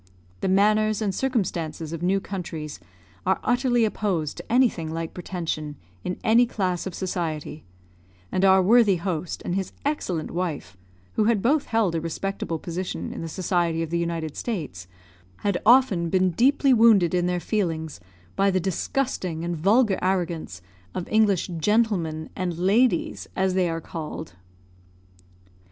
The manners and circumstances of new countries are utterly opposed to anything like pretension in any class of society; and our worthy host, and his excellent wife who had both held a respectable position in the society of the United States had often been deeply wounded in their feelings by the disgusting and vulgar arrogance of English gentleman and ladies, as they are called.